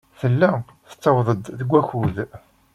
Tella tettaweḍ-d deg wakud.